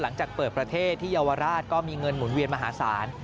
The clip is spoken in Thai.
หลังจากเปิดประเทศที่เยาวราชก็มีเงินหมุนเวียนมหาศาล